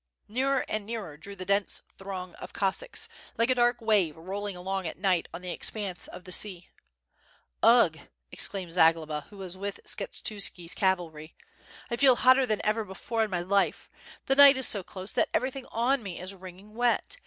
Nearer and nearer drew the dense throng of Cossacks, like a dark wave rolling along at night on the expanse of the sea. Ugh!" exclaimed Zagloba, who was with Skshetuski's cav alry, "I feel hotter than ever before in my life. The night is so close that everything on me is wringing wet.